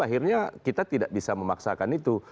akhirnya kita tidak bisa memaksakan itu